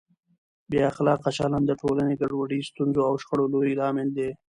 بې اخلاقه چلند د ټولنې ګډوډۍ، ستونزو او شخړو لوی لامل دی.